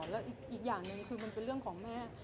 แล้วอีกอย่างหนึ่งคือมันเป็นเรื่องของแม่